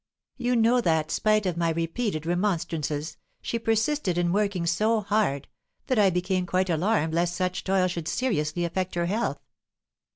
You know that, spite of my repeated remonstrances, she persisted in working so hard, that I became quite alarmed lest such toil should seriously affect her health."